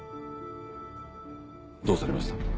どうされました？